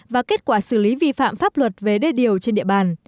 và kết quả xử lý vi phạm pháp luật về đê điều trên địa bàn